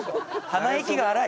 鼻息が荒い。